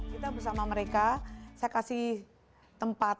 kita bersama mereka saya kasih tempat